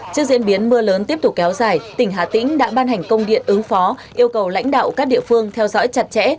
trước diễn biến mưa lớn tiếp tục kéo dài tỉnh hà tĩnh đã ban hành công điện ứng phó yêu cầu lãnh đạo các địa phương theo dõi chặt chẽ